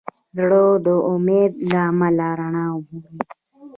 زړه د امید له امله رڼا مومي.